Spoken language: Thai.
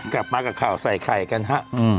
กลับมากับข่าวใส่ไข่กันฮะ